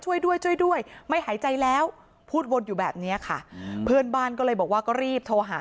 ช่วยด้วยช่วยด้วยไม่หายใจแล้วพูดวนอยู่แบบเนี้ยค่ะเพื่อนบ้านก็เลยบอกว่าก็รีบโทรหา